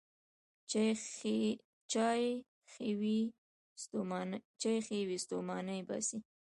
چای ښې وې، ستوماني باسي.